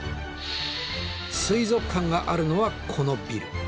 水族館があるのはこのビル。